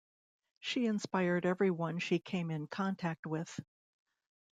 She inspired everyone she came in contact with.